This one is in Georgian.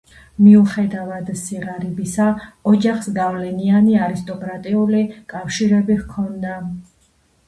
მიუხედავად სიღარიბისა, ოჯახს გავლენიანი არისტოკრატიული კავშირები ჰქონდა.